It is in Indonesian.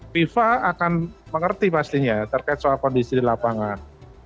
fifa akan mengerti pastinya terkait soal kondisi di lapangan